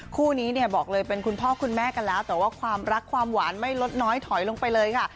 คู่นี้เนี่ยบอกเลยเป็นคุณพ่อคุณแม่กันแล้วแต่ว่าความรักความหวานไม่ลดน้อยถอยลงไปเลยค่ะ